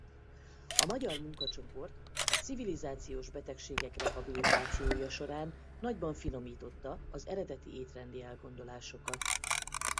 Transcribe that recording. A magyar munkacsoport a civilizációs betegségek rehabilitációja során nagyban finomította az eredeti étrendi elgondolásokat.